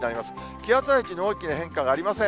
気圧配置に大きな変化はありません。